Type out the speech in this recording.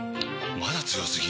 まだ強すぎ？！